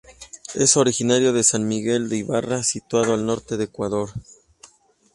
Es originario de San Miguel de Ibarra, situado al norte del Ecuador.